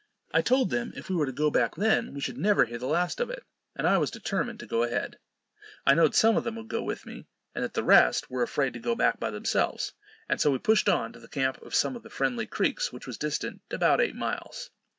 I told them, if we were to go back then, we should never hear the last of it; and I was determined to go ahead. I knowed some of them would go with me, and that the rest were afraid to go back by themselves; and so we pushed on to the camp of some of the friendly Creeks, which was distant about eight miles.